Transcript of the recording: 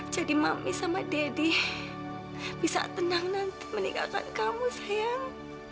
mami sama deddy bisa tenang nanti meninggalkan kamu sayang